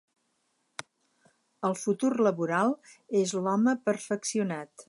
El futur laboral és l"home perfeccionat.